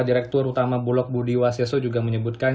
direktur utama bulog budi waseso juga menyebutkan